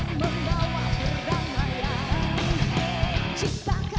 hiduplah indonesia raya